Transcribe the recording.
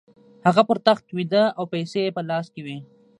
هغه پر تخت ویده او پیسې یې په لاس کې وې